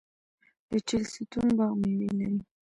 د چهلستون باغ میوې لري.